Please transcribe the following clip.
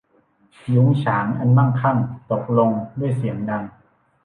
ยุ้งฉางอันมั่นคงตกลงด้วยเสียงดัง